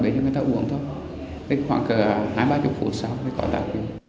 người ta uống thôi khoảng hai mươi ba mươi phút sau mới có đạt quyền